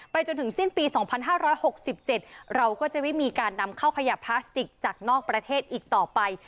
ไปจนถึงสิ้นปีสองพันห้าร้อยหกสิบเจ็ดเราก็จะไม่มีการนำเข้าขยะพลาสติกจากนอกประเทศอีกต่อไป